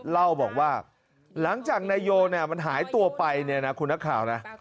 เล่าบอกว่าหลังจากในโยมันหายตัวไปคุณนักข่าวนะ